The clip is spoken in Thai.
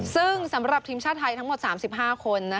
ซึ่งสำหรับทีมชาติไทยทั้งหมด๓๕คน